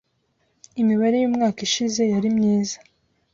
Imibare y’umwaka ushize yari myiza